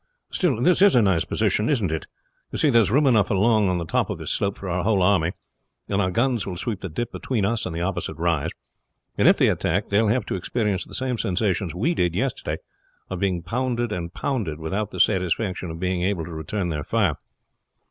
"Still this is a nice position, isn't it? You see there's room enough along on the top of this slope for our whole army, and our guns will sweep the dip between us and the opposite rise, and if they attack they will have to experience the same sensations we did yesterday, of being pounded and pounded without the satisfaction of being able to return their fire.